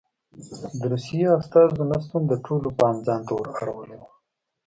د روسیې استازو نه شتون د ټولو پام ځان ته ور اړولی و.